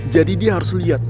jadi dia harus liat